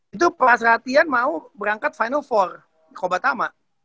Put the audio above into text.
itu pas latihan mau berangkat final empat koba tama